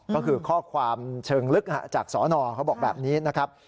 ก็คือข้อความเชิงลึกจากสอนอเขาบอกแบบนี้นะครับ